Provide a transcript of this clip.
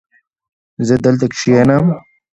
زه دلته کښېنم